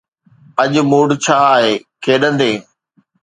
اڄ موڊ ڇا آهي، کيڏندين؟